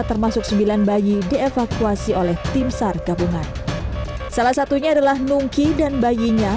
termasuk sembilan bayi dievakuasi oleh tim sar gabungan salah satunya adalah nungki dan bayinya